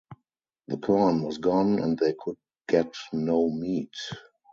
The corn was gone and they could get no meat.